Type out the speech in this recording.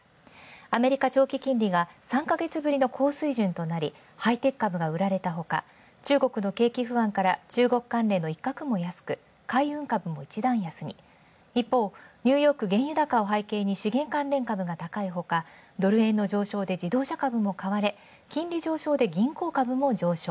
アメリカ長期金利が３ヶ月ぶりの高水準となりハイテク株が売られたほか、中国の景気不安から一角も安く海運株も一段安に一方、ニューヨーク原油高を背景に資源株が高いほか、ドル円の上昇で自動車株も買われ銀行株も上昇。